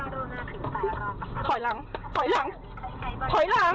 ถอยหลังถอยหลังถอยหลัง